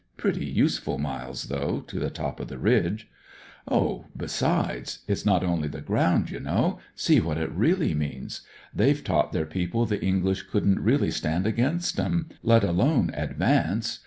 Pretty useful miles, though, to the top of the ridge." ". Oh, besides ; it's not only the ground, you know. See what it really means. They've taught their people the EnffJish couldn't really stand against 'em, ict f. ; 180 BROTHERS OF THE PARSONAGE alone advance.